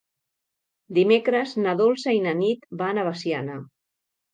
Dimecres na Dolça i na Nit van a Veciana.